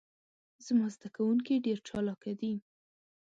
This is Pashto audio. زما ذده کوونکي ډیر چالاکه دي.